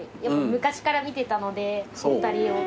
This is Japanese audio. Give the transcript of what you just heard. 昔から見てたのでお二人を。